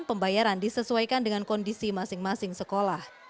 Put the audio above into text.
pembayaran disesuaikan dengan kondisi masing masing sekolah